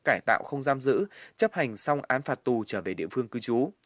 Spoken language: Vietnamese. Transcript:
cải tạo không giam giữ chấp hành xong án phạt tù trở về địa phương cư trú